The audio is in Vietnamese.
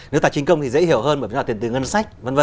nếu tài chính công thì dễ hiểu hơn bởi vì nó là tiền từ ngân sách